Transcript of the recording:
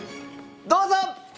どうぞ！